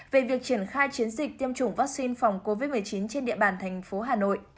về việc triển khai chiến dịch tiêm chủng vaccine phòng covid một mươi chín trên địa bàn thành phố hà nội